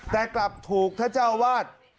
แต่กลับถูกท่านเจ้าวาด